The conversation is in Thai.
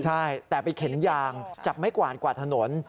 ใช่แต่ไปเข็นยางจับไม้กวาดถนน